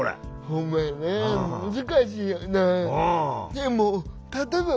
ほんまやな難しいよなあ。